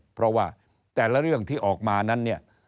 เพราะว่าแต่ละเรื่องที่ออกมานั้นเนี่ย